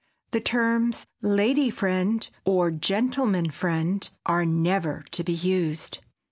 The terms "lady friend" or "gentleman friend" are never to be used.